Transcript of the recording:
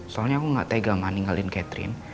soalnya aku gak tega meninggalin catherine